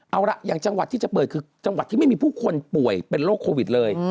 เอาล่ะอย่างจังหวัดที่จะเปิดคือจังหวัดที่ไม่มีผู้คนป่วยเป็นโรคโควิดเลย